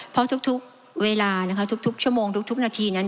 เพราะทุกเวลานะคะทุกชั่วโมงทุกนาทีนั้น